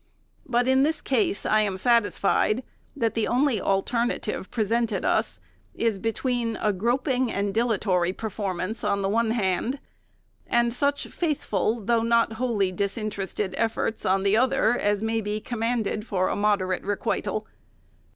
But in this case, I am satisfied, that the only alternative presented us is, between a groping and dilatory performance, on the one hand, and such faithful, though not wholly disinterested efforts, on the other, as may be commanded for a moderate requital.